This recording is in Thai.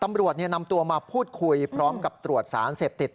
ตำรวจนำตัวมาพูดคุยพร้อมกับตรวจสารเสพติด